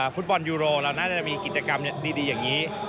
ฟุตบอลยูโรเราน่าจะมีกิจกรรมดีอย่างนี้